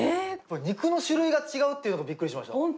肉の種類が違うっていうのがびっくりしました。